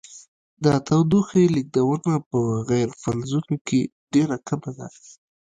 د تودوخې لیږدونه په غیر فلزونو کې ډیره کمه ده.